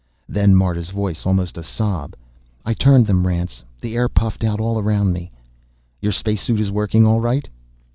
Then Marta's voice, almost a sob: "I turned them, Rance. The air puffed out all around me." "Your space suit is working all right?"